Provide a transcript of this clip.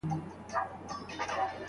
آیا دا د معروف معاشرت اړینه برخه ګڼل کيږي؟